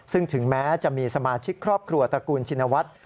ซึ่งถึงแม้จะมีสมาชิกครอบครัวตระกูลชินวัฒน์